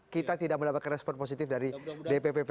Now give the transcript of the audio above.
kita tidak mendapatkan respon positif dari dpp pks